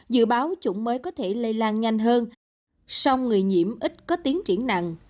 dự báo chủng mới có thể lây lan nhanh hơn song người nhiễm ít có tiến triển nặng